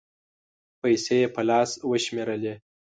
پېسې یې په لاس و شمېرلې